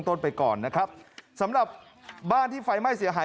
เงินบาทก็ไม่ได้ออกมา